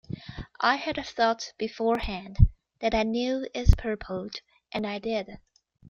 I had thought beforehand that I knew its purport, and I did.